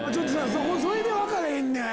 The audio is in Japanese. それで分かれへんねん！